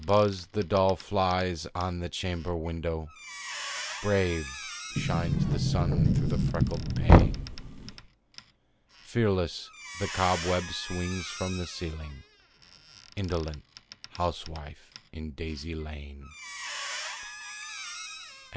Buzz the dull flies on the chamber window; Brave shines the sun through the freckled pane; Fearless the cobweb swings from the ceiling Indolent housewife, in daisies lain! XII.